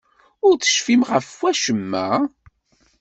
Ur tecfim ɣef wacemma?